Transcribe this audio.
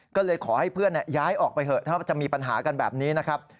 ก็เลยขอให้เพื่อนย้ายออกไปเถอะถ้าจะมีปัญหากันแบบนี้นะครับ